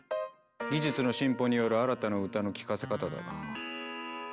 技術の進歩による新たな歌の聞かせ方だな。